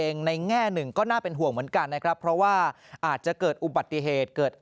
ในแง่หนึ่งก็น่าเป็นห่วงเพราะว่าจะเกิดอุบัติเหตุ